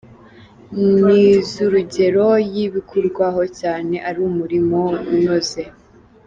Nizurugero yibukirwaho cyane ari umurimo unoze.